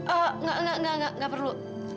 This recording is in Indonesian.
oh gak gak gak perlu